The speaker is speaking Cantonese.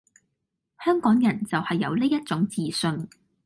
香港人就係有呢一種自信